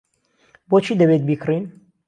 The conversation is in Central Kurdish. بۆچی دەبێت بیکڕین؟